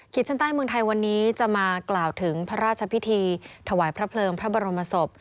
ชั้นใต้เมืองไทยวันนี้จะมากล่าวถึงพระราชพิธีถวายพระเพลิงพระบรมศพ